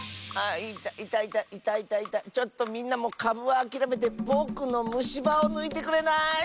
「あいたいたいたいたちょっとみんなもかぶはあきらめてぼくのむしばをぬいてくれない？」。